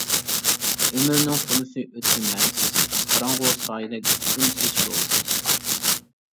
ئۆمۈرنىڭ تولىسى ئۆتتى مەنىسىز، قاراڭغۇ سايىدەك ئۈنسىز، شولىسىز.